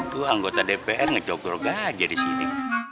itu anggota dpr ngecok droga aja di sini